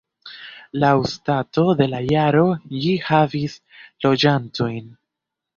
Laŭ stato de la jaro ĝi havis loĝantojn.